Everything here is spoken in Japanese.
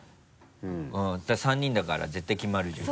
３人だから絶対決まるじゃん。